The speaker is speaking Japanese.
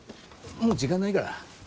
もう時間ないから。